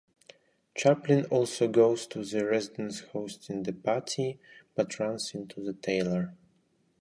Chaplin also goes to the residence hosting the party, but runs into the tailor.